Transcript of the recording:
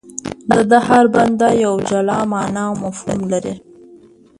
د ده هر بند یوه جلا مانا او مفهوم لري.